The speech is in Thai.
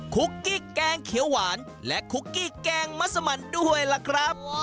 คุกกี้แกงเขียวหวานและคุกกี้แกงมัสมันด้วยล่ะครับ